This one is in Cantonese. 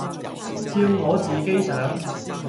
照我自己想，